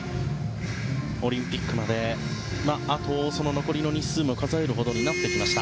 オリンピックまで残りの日数も数えるほどになってきました。